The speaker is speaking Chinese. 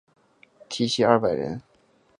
缇骑二百人。